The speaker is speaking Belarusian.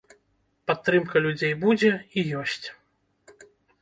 Падтрымка людзей будзе і ёсць.